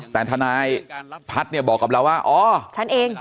แต่ทนายพัฒน์เนี่ยบอกกับเราว่าอ๋อฉันเอง